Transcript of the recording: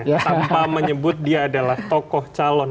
tanpa menyebut dia adalah tokoh calon